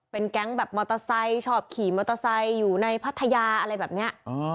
เป็นแก๊งแบบมอเตอร์ไซค์ชอบขี่มอเตอร์ไซค์อยู่ในพัทยาอะไรแบบนี้